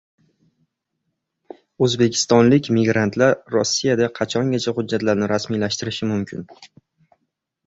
O‘zbekistonlik migrantlar Rossiyada qachongacha hujjatlarini rasmiylashtirishi mumkin?